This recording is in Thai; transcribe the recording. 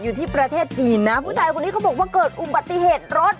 อยู่ที่ประเทศจีนนะผู้ชายคนนี้เขาบอกว่าเกิดอุบัติเหตุรถ